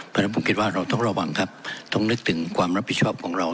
เพราะฉะนั้นผมคิดว่าเราต้องระวังครับต้องนึกถึงความรับผิดชอบของเรา